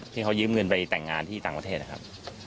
ที่เขายืมเงินไปแต่งงานที่ต่างประเทศนะครับ